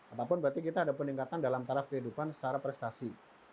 apapun berarti kita ada peningkatan dalam saraf kehidupan secara prestasi